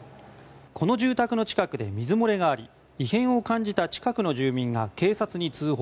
この住宅の近くで水漏れがあり異変を感じた近くの住民が警察に通報。